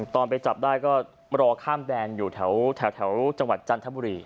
ตอนไปจับได้ก็รอข้ามแดนอยู่แถวจังหวัดจันทบุรี